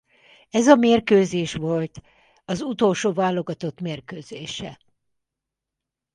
Ez a mérkőzés volt az utolsó válogatott mérkőzése.